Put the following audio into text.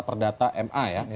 perdata ma ya